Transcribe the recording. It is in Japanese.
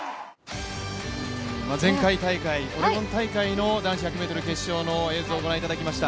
前回大会オレゴン大会男子１００ｍの映像をご覧いただきました。